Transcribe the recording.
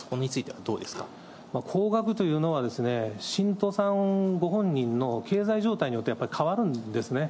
けれ高額というのは、信徒さんご本人の経済状態によって変わるんですね。